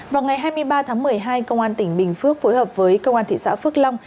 vào ngày hai mươi ba tháng một mươi hai công an tỉnh bình phước phối hợp với công an thị xã phước long